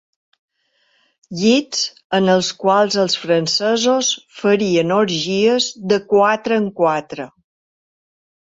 Llits en els quals els francesos farien orgies de quatre en quatre.